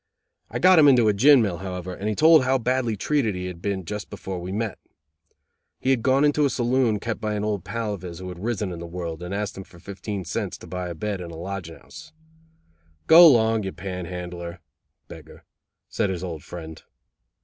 I got him into a gin mill, however, and he told how badly treated he had been just before we met. He had gone into a saloon kept by an old pal of his who had risen in the world, and asked him for fifteen cents to buy a bed in a lodging house. "Go long, you pan handler (beggar)," said his old friend.